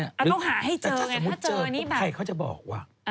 ต้องหาให้เจอไงถ้าเจออย่างนี้แบบแต่จะสมมติเจอใครเขาจะบอกว่า